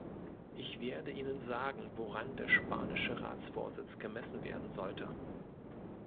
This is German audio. Ich werde Ihnen sagen, woran der spanische Ratsvorsitz gemessen werden sollte.